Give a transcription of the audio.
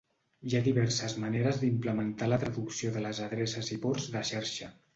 Hi ha diverses maneres d'implementar la traducció de les adreces i ports de xarxa.